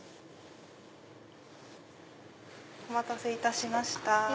お待たせいたしました。